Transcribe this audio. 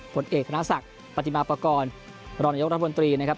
ผลเอกคณะศักดิ์ปฏิมัปกรร่วมนิยองรัฐบนตรีนะครับ